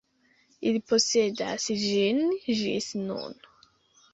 Ili posedas ĝin ĝis nun.